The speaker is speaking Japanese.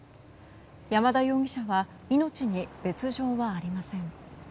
山田容疑者は命に別条はありません。